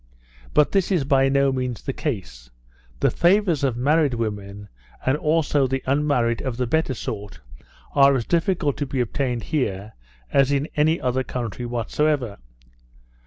But this is by no means the case; the favours of married women, and also the unmarried of the better sort, are as difficult to be obtained here, as in any other country whatever.